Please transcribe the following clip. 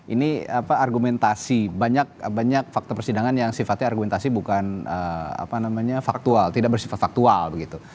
ini argumentasi banyak banyak fakta persidangan yang sifatnya argumentasi bukan faktual tidak bersifat faktual begitu